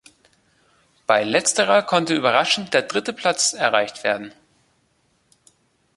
Bei letzterer konnte überraschend der dritte Platz erreicht werden.